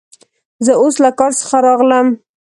زه اوس له کار څخه راغلم.